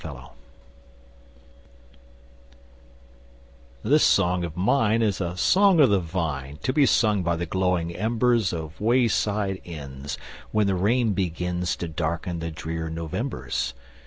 CATAWBA WINE This song of mine Is a Song of the Vine, To be sung by the glowing embers Of wayside inns, When the rain begins To darken the drear Novembers.